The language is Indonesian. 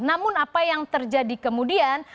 namun apa yang terjadi kemudian